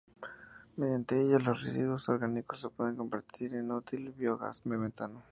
Mediante ella, los residuos orgánicos se pueden convertir en el útil biogás metano.